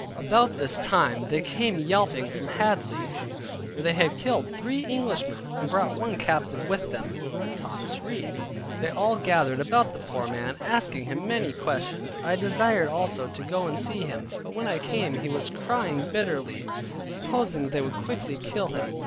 About this time they came yelping from Hadley, where they had killed three Englishmen, and brought one captive with them, viz. Thomas Read. They all gathered about the poor man, asking him many questions. I desired also to go and see him; and when I came, he was crying bitterly, supposing they would quickly kill him.